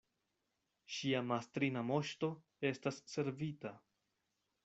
Ŝia mastrina Moŝto estas servita!